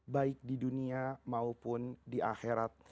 baik di dunia maupun di akhirat